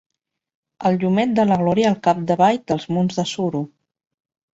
El llumet de la gloria al cap-de-vall dels munts de suro